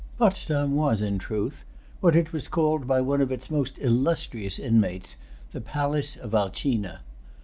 Potsdam was, in truth, what it was called by one of its most illustrious inmates, the Palace of Alcina.